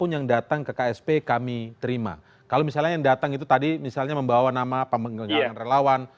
jadi kami terima kalau misalnya yang datang itu tadi misalnya membawa nama pemenggelangan relawan